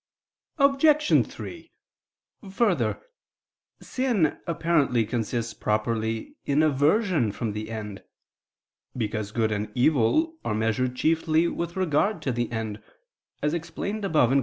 Obj. 3: Further, sin apparently consists properly in aversion from the end: because good and evil are measured chiefly with regard to the end as explained above (Q.